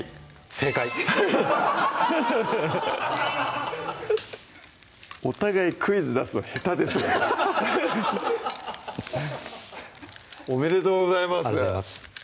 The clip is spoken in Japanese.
正解お互いクイズ出すの下手ですよねおめでとうございますありがとうございます